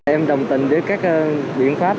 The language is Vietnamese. em đồng tình với các biện pháp